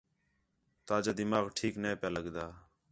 تاجا دماغ ٹھیک نے پِیا لڳدا